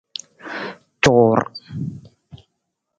Cuur !